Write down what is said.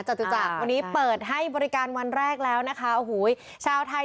จตุจักรวันนี้เปิดให้บริการวันแรกแล้วนะคะโอ้โหชาวไทย